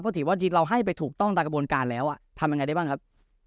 เพราะถือว่าจริงเราให้ไปถูกต้องตามกระบวนการแล้วทำยังไงได้บ้างครับ